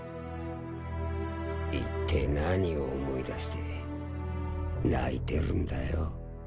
いってえ何を思い出して泣いてるんだよ。